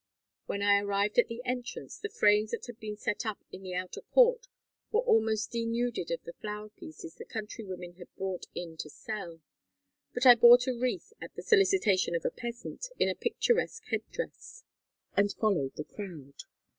When I arrived at the entrance the frames that had been set up in the outer court were almost denuded of the flower pieces the countrywomen had brought in to sell, but I bought a wreath at the solicitation of a peasant in a picturesque head dress, and followed the crowd.